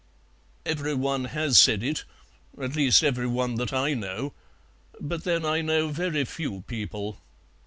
"Every one has said it; at least every one that I know. But then I know very few people."